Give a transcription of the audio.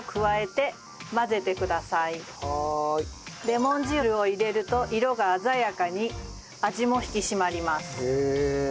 レモン汁を入れると色が鮮やかに味も引き締まります。